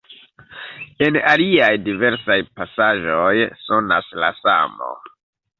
En aliaj diversaj pasaĵoj sonas la samo.